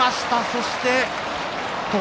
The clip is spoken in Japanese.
そして。